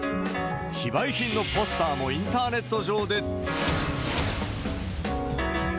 非売品のポスターもインターネット上で。